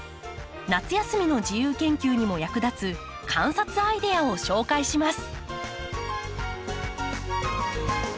夏休みの自由研究にも役立つ観察アイデアを紹介します。